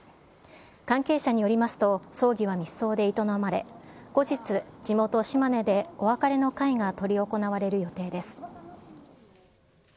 関係者によりますと、葬儀は密葬で営まれ、後日、地元、島根でお別れの会が執り行われる予定です。